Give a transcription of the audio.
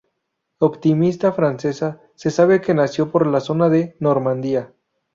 Optimista francesa, se sabe que nació por la zona de Normandía.